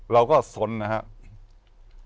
เราก็สนนะฮะ